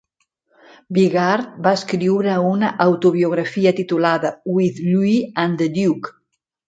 Bigard va escriure una autobiografia titulada "With Louis and The Duke".